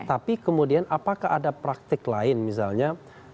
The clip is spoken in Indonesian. tapi kemudian apakah ada praktik lain misalnya